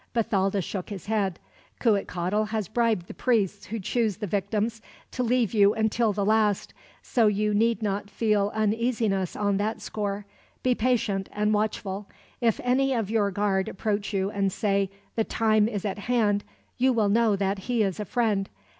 Bathalda shook his head. "Cuitcatl has bribed the priests who choose the victims to leave you until the last; so you need not feel uneasiness on that score. Be patient and watchful. If any of your guard approach you and say, 'The time is at hand,' you will know that he is a friend.